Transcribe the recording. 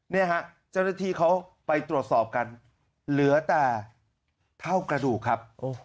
เนี่ยฮะเจ้าหน้าที่เขาไปตรวจสอบกันเหลือแต่เท่ากระดูกครับ